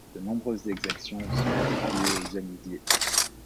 De nombreuses exactions sont attribuées aux Hamidiés.